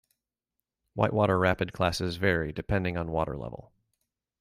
Whitewater rapid classes vary depending on water level.